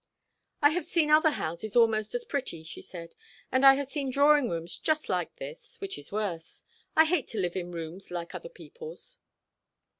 "I have seen other houses almost as pretty," she said, "and I have seen drawing rooms just like this, which is worse. I hate to live in rooms like other people's."